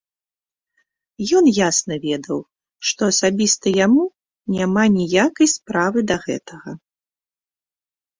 Ён ясна ведаў, што асабіста яму няма ніякай справы да гэтага.